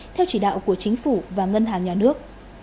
theo chỉ đạo của chính phủ và ngân hàng nhà nước